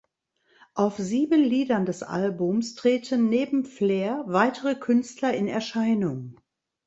Auf sieben Liedern des Albums treten neben Fler weitere Künstler in Erscheinung.